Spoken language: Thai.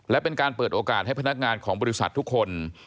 และเป็นการเปิดโอกาสให้พนักงานของบริษัททุกคน